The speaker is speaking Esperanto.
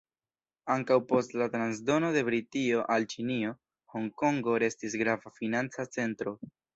Ankaŭ post la transdono de Britio al Ĉinio, Honkongo restis grava financa centro.